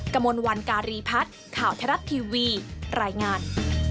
กระมวลวันการีพัฒน์ข่าวทรัฐทีวีรายงาน